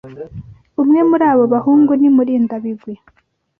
Umwe muri abo bahungu ni Murindabigwi.